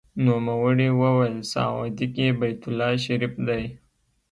نوموړي وویل: سعودي کې بیت الله شریف دی.